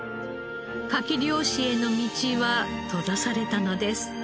カキ漁師への道は閉ざされたのです。